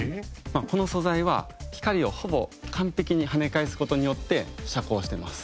この素材は光をほぼ完璧に跳ね返す事によって遮光しています。